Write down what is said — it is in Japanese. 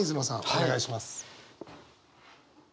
お願いします。